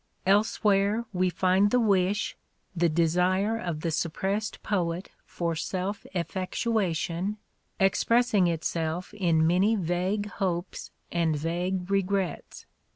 Elsewhere we find the wish, the desire of the suppressed poet for self effectuation, expressing itself in many vague hopes and vague regrets.